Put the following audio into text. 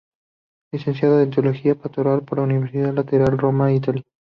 Licenciado en Teología Pastoral por la Universidad Lateranense; Roma, Italia.